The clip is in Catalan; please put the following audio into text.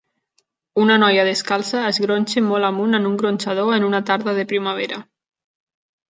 Una noia descalça es gronxa molt amunt en un gronxador en una tarda de primavera.